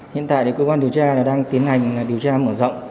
hiện tại cơ quan điều tra đang tiến hành điều tra mở rộng